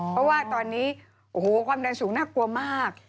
เพราะว่าตอนนี้โอ้โหความดันสูงน่ากลัวมาก